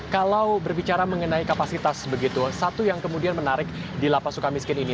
kalau berbicara mengenai kapasitas begitu satu yang kemudian menarik di lp sukamiskin ini